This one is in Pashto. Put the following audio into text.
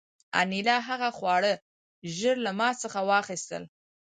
انیلا هغه خواړه ژر له ما څخه واخیستل